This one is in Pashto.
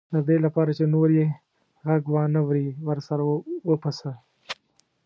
د دې لپاره چې نور یې غږ وانه وري ورسره وپسه.